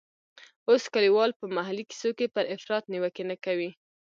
اوس کلیوال په محلي کیسو کې پر افراط نیوکې نه کوي.